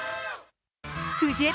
藤枝